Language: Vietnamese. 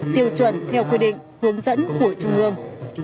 tiêu chuẩn theo quy định hướng dẫn của trung ương